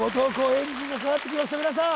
エンジンがかかってきました皆さん